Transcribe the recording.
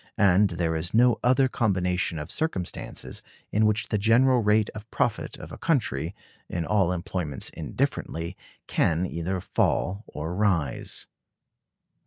And there is no other combination of circumstances in which the general rate of profit of a country, in all employments indifferently, can either fall or rise.